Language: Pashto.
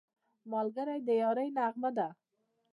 ملګری د یارۍ نغمه ده